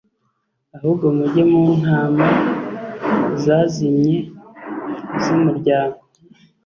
ahubwo mujye mu ntama zazimye z umuryango